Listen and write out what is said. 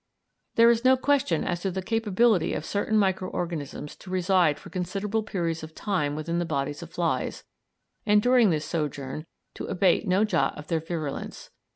There is no question as to the capability of certain micro organisms to reside for considerable periods of time within the bodies of flies, and during this sojourn to abate no jot of their virulence.